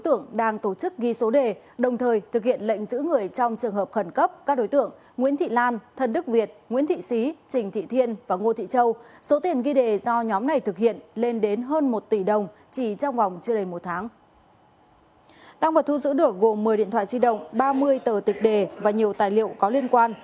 tăng vật thu giữ được gồm một mươi điện thoại di động ba mươi tờ tịch đề và nhiều tài liệu có liên quan